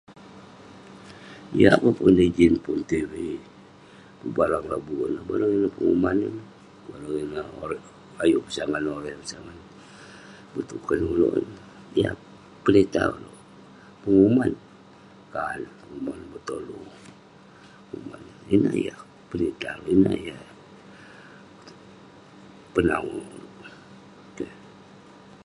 jiak peh pun ijin pun tv, barang lobuk ineh. Bareng penguman ineh, bareng, [unintelligible] ayuk pesangan oreu, ayuk pesangan betuken ulouk. yah penitah ulouk penguman kaan, penguman betolu. [unintelligible] Ineh yah penitah ulouk, ineh yah [unintelligible]